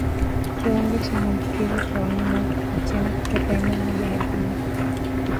Kiwango cha maambukizi kwa wanyama hutofautiana kutoka eneo moja hadi jingine